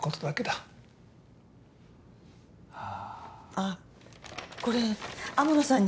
あっこれ天野さんに